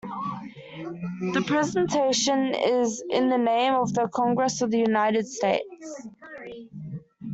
The Presentation is in the name of the Congress of the United States.